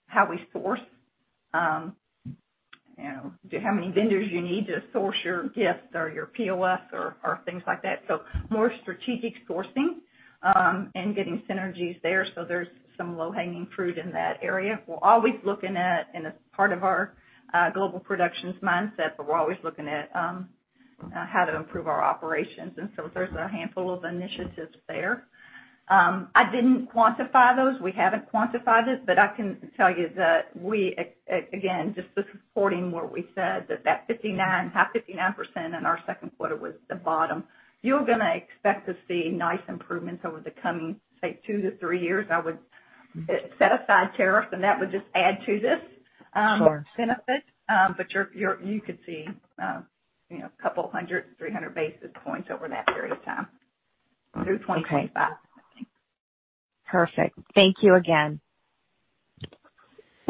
how we source. How many vendors do you need to source your gifts, or your POS, or things like that? More strategic sourcing and getting synergies there, so there's some low-hanging fruit in that area. As part of our global production mindset, we're always looking at how to improve our operations. There's a handful of initiatives there. I didn't quantify those. We haven't quantified it, but I can tell you that we, again, just this reporting, where we said that half 59% in our second quarter was the bottom. You're gonna expect to see nice improvements over the coming, say, two to three years. I would set aside the tariff, and that would just add to this. Sure. Benefit. You could see a couple of hundred, 300 basis points over that period of time through 2025, I think. Perfect. Thank you again.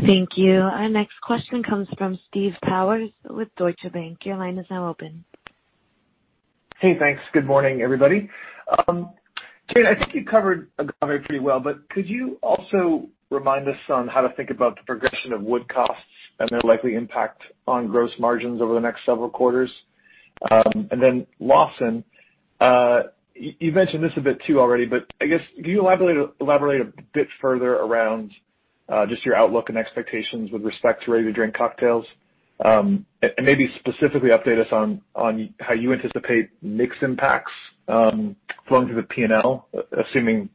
Thank you. Our next question comes from Steve Powers with Deutsche Bank. Your line is now open. Hey, thanks. Good morning, everybody. Jane, I think you covered agave pretty well, but could you also remind us on how to think about the progression of wood costs and their likely impact on gross margins over the next several quarters? Then, Lawson, you've mentioned this a bit too already, but I guess, can you elaborate a bit further around just your outlook and expectations with respect to ready-to-drink cocktails? Maybe specifically update us on how you anticipate mix impacts flowing through the P&L, assuming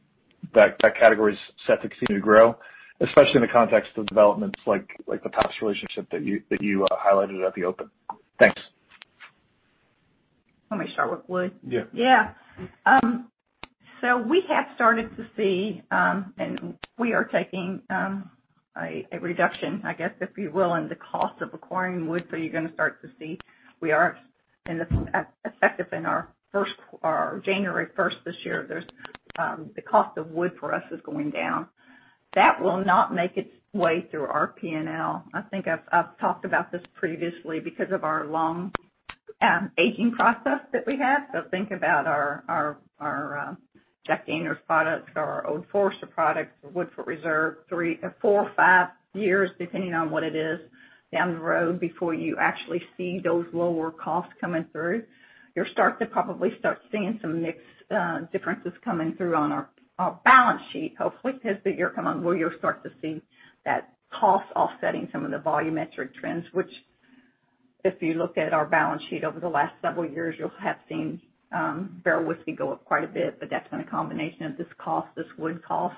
that category's set to continue to grow, especially in the context of developments like the Pabst relationship that you highlighted at the open. Thanks. You want me to start with wood? Yeah. We have started to see, and we are taking a reduction, I guess, if you will, in the cost of acquiring wood. You're going to start to see that we are effective in our January 1st this year. The cost of wood for us is going down. That will not make its way through our P&L. I think I've talked about this previously because of our long aging process that we have. Think about our Jack Daniel's products or our Old Forester products or Woodford Reserve, three or four or five years, depending on what it is, down the road before you actually see those lower costs coming through. You'll probably start seeing some mix differences coming through on our balance sheet, hopefully, as the year comes on, where you'll start to see that cost offsetting some of the volumetric trends. If you look at our balance sheet over the last several years, you'll have seen barrel whiskey go up quite a bit. That's been a combination of this cost, this wood cost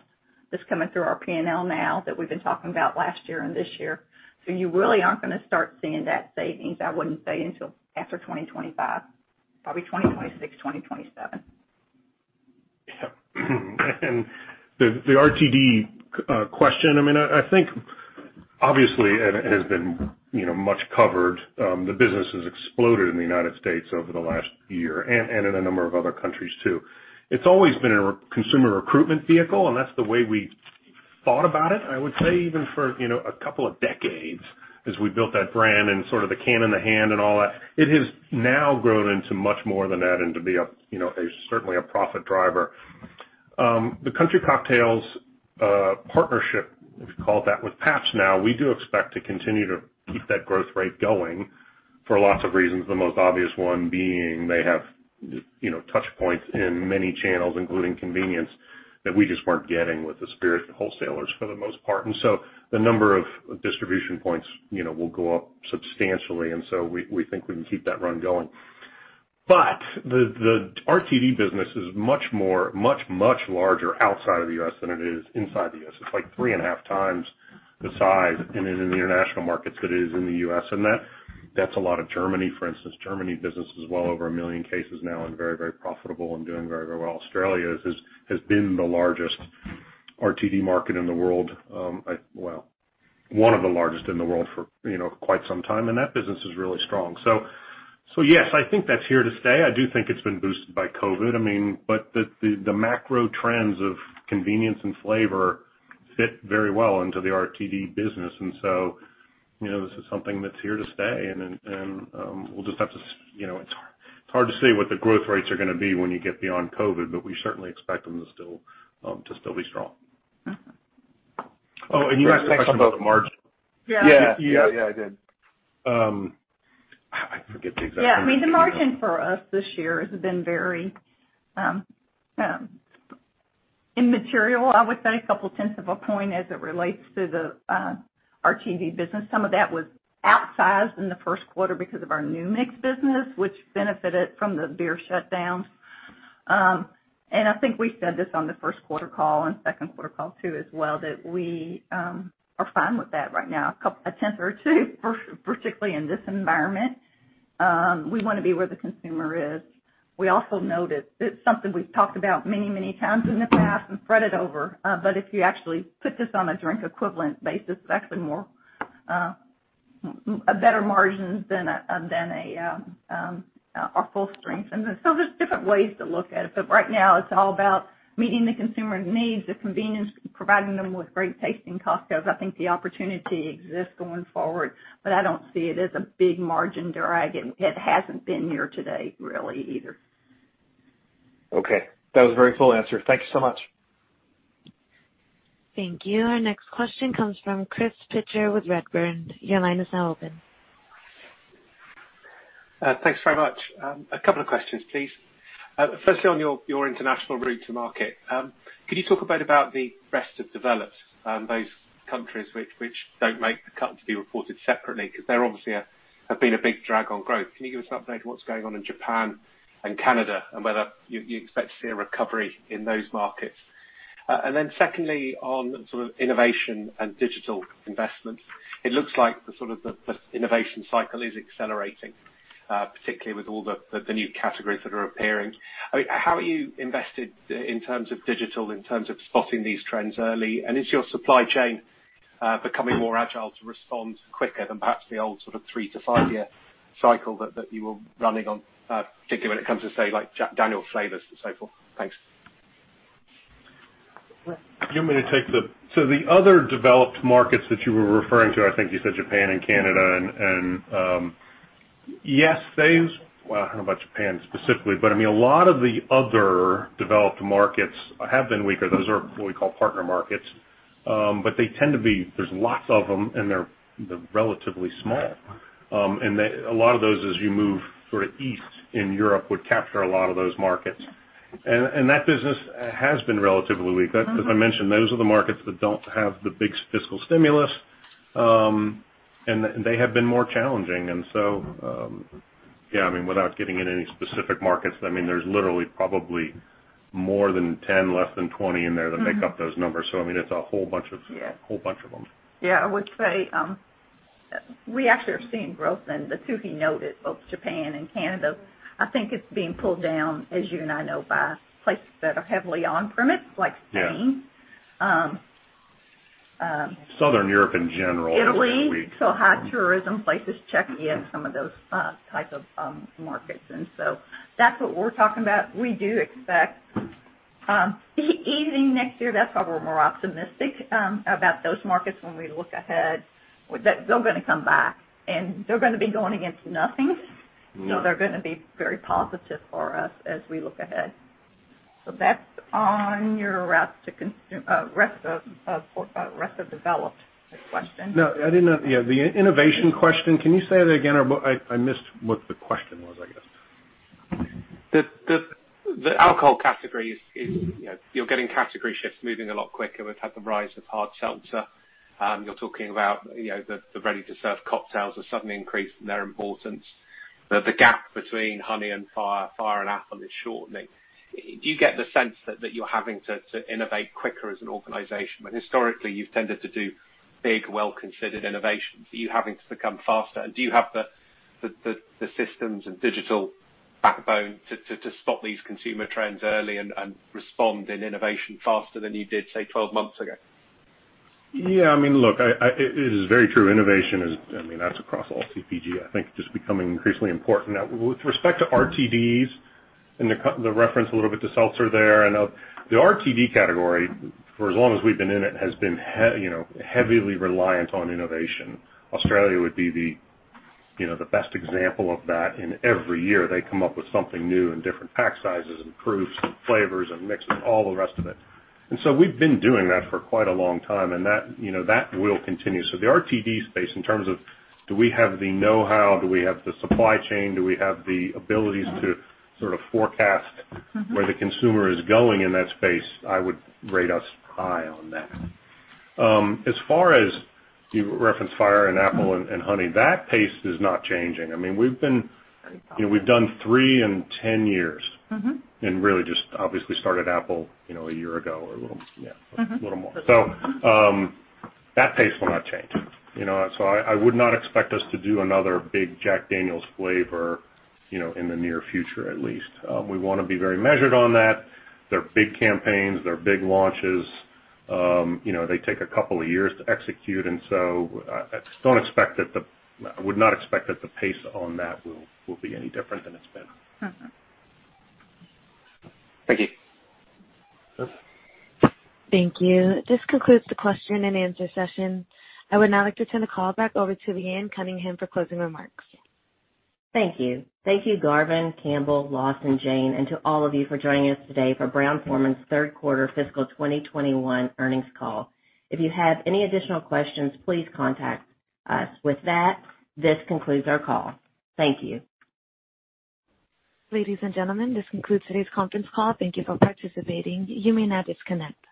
that's coming through our P&L now that we've been talking about last year and this year. You really aren't gonna start seeing that savings, I wouldn't say until after 2025, probably 2026, 2027. Yeah. The RTD question. I think obviously, and it has been much covered, the business has exploded in the United States over the last year and in a number of other countries, too. It's always been a consumer recruitment vehicle, and that's the way we thought about it, I would say, even for a couple of decades as we built that brand and sort of the can in the hand and all that. It has now grown into much more than that and to be certainly a profit driver. The Country Cocktails partnership, if you call it that, with Pabst now, we do expect to continue to keep that growth rate going for lots of reasons. The most obvious one being they have touch points in many channels, including convenience, that we just weren't getting with the spirit wholesalers for the most part. The number of distribution points will go up substantially, and so we think we can keep that run going. The RTD business is much, much larger outside of the U.S. than it is inside the U.S. It's like 3.5x the size it is in the international markets than it is in the U.S., and that's a lot of Germany, for instance. Germany's business is well over a million cases now, and very profitable, and doing very well. Australia has been the largest RTD market in the world. One of the largest in the world for quite some time, and that business is really strong. Yes, I think that's here to stay. I do think it's been boosted by COVID-19. The macro trends of convenience and flavor fit very well into the RTD business. This is something that's here to stay. It's hard to say what the growth rates are going to be when you get beyond COVID, but we certainly expect them to still be strong. You asked a question about the margin. Yeah. Yeah, I did. Yeah. The margin for us this year has been very immaterial, I would say. A couple of 10ths of a point as it relates to the RTD business. Some of that was outsized in the first quarter because of our New Mix business, which benefited from the beer shutdown. I think we said this on the first quarter call, and second quarter call, too, as well, that we are fine with that right now. A 10th or two, particularly in this environment. We want to be where the consumer is. We also noted that it's something we've talked about many times in the past and fretted over. If you actually put this on a drink equivalent basis, it's actually a better margin than our full strength. There's different ways to look at it. Right now, it's all about meeting the consumer needs, the convenience, providing them with great tasting cocktails. I think the opportunity exists going forward, but I don't see it as a big margin drag. It hasn't been here today, really, either. Okay. That was a very full answer. Thank you so much. Thank you. Our next question comes from Chris Pitcher with Redburn. Your line is now open. Thanks very much. A couple of questions, please. Firstly, on your international route to market. Could you talk a bit about the rest of the developed, those countries which don't make the cut to be reported separately? They obviously have been a big drag on growth. Can you give us an update on what's going on in Japan and Canada, and whether you expect to see a recovery in those markets? Secondly, on innovation and digital investment. It looks like the innovation cycle is accelerating, particularly with all the new categories that are appearing. How are you invested in terms of digital, in terms of spotting these trends early? Is your supply chain becoming more agile to respond quicker than perhaps the old three to five year cycle that you were running on, particularly when it comes to say, like Jack Daniel's flavors and so forth? Thanks. You want me to take the other developed markets that you were referring to, I think you said Japan and Canada. I don't know about Japan specifically, but a lot of the other developed markets have been weaker. Those are what we call partner markets. They tend to be, there's lots of them, and they're relatively small. A lot of those, as you move east in Europe, would capture a lot of those markets. That business has been relatively weak. As I mentioned, those are the markets that don't have the big fiscal stimulus. They have been more challenging. Without getting into any specific markets, there's literally probably more than 10, less than 20 in there that make up those numbers. It's a whole bunch of them. Yeah. I would say we actually are seeing growth in the two he noted, both Japan and Canada. I think it's being pulled down, as you and I know, by places that are heavily on-premise, like Spain. Southern Europe, in general, has been weak. Italy. High tourism places, Czechia, and some of those types of markets. That's what we're talking about. We do expect easing next year. That's why we're more optimistic about those markets when we look ahead. They're going to come back, and they're going to be going against nothing. They're going to be very positive for us as we look ahead. That's on the rest of the developed question. The innovation question: Can you say that again? I missed what the question was, I guess. The alcohol category is, you're getting category shifts moving a lot quicker. We've had the rise of hard seltzer. You're talking about the ready-to-serve cocktails are suddenly increasing their importance. The gap between Honey and Fire and Apple is shortening. Do you get the sense that you're having to innovate more quickly as an organization? Historically, you've tended to do big, well-considered innovations. Are you having to become faster? Do you have the systems and digital backbone to spot these consumer trends early and respond in innovation faster than you did, say, 12 months ago? Yeah. It is very true. Innovation is, that's across all CPG, I think, just becoming increasingly important. With respect to RTDs, the reference is a little bit to seltzer there. I know the RTD category, for as long as we've been in it, has been heavily reliant on innovation. Australia would be the best example of that. Every year, they come up with something new in different pack sizes and proofs and flavors and mixes, all the rest of it. We've been doing that for quite a long time, and that will continue. The RTD space, in terms of do we have the know-how? Do we have the supply chain? Do we have the ability to forecast where the consumer is going in that space? I would rate us high on that. As far as you referenced Fire, and Apple, and Honey. That pace is not changing. We've done three in 10 years. Really, just obviously started Apple a year ago or a little more. That pace will not change. I would not expect us to do another big Jack Daniel's flavor in the near future, at least. We want to be very measured on that. They're big campaigns. They're big launches. They take a couple of years to execute. I would not expect that the pace on that will be any different than it's been. Thank you. Chris? Thank you. This concludes the question and answer session. I would now like to turn the call back over to Leanne Cunningham for closing remarks. Thank you. Thank you, Garvin, Campbell, Lawson, Jane, and to all of you for joining us today for Brown-Forman's third quarter fiscal 2021 earnings call. If you have any additional questions, please contact us. With that, this concludes our call. Thank you. Ladies and gentlemen, this concludes today's conference call. Thank you for participating. You may now disconnect.